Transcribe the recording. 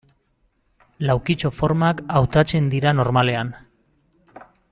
Laukitxo formak hautatzen dira normalean.